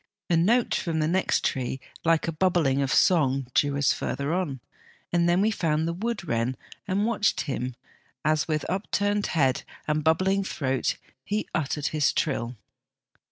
A note from the next tree like a bubbling of song drew us further on, and then we found the wood wren and watched him as with up turned head and bubbling throat he uttered his trill.